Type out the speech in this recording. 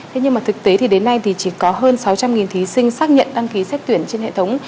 thế nhưng mà thực tế thì đến nay thì chỉ có hơn sáu trăm linh thí sinh xác nhận đăng ký xét tuyển trên hệ thống